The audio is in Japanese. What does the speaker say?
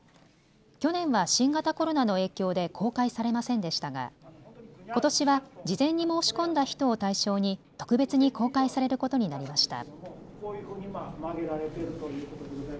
去年は新型コロナの影響で公開されませんでしたがことしは事前に申し込んだ人を対象に特別に公開されることになりました。